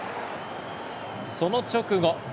その直後。